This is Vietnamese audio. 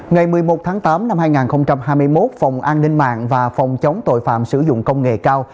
ngày một mươi một tháng tám năm hai nghìn hai mươi một phòng an ninh mạng và phòng chống tội phạm sử dụng công nghệ cao